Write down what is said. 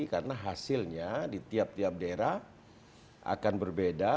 karena hasilnya di tiap tiap daerah akan berbeda